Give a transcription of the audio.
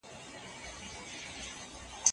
تر هغه چې ماشوم خوندي وي، وېره به ورسره نه وي.